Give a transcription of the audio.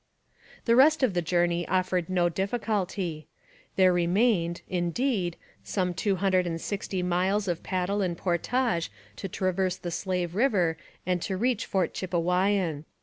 The rest of the journey offered no difficulty. There remained, indeed, some two hundred and sixty miles of paddle and portage to traverse the Slave river and reach Fort Chipewyan.